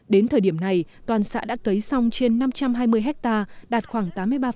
đến thời điểm này toàn xã đã cấy xong trên năm trăm hai mươi ha đạt khoảng tám mươi ba